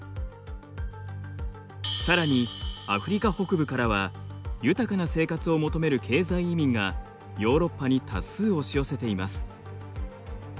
さらにアフリカ北部からは豊かな生活を求める経済移民がヨーロッパに多数押し寄せています。